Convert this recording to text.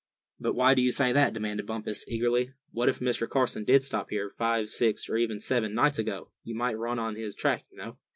"But why do you say that?" demanded Bumpus, eagerly. "What if Mr. Carson did stop here five, six or even seven nights ago; you might run on his track, you know."